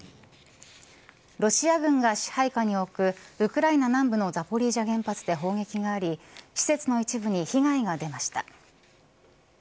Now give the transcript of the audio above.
ロシア軍が支配下に置くウクライナ南部のザポリージャ原発で砲撃があり施設の一部に被害が出ました。